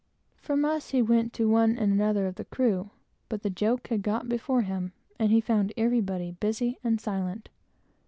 From us, he went to one and another of the crew, but the joke had got before him, and he found everybody busy and silent.